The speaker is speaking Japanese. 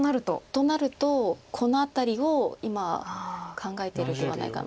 となるとこの辺りを今考えてるんではないかなと。